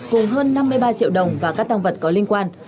cùng hơn năm mươi ba triệu đồng và các tăng vật có liên quan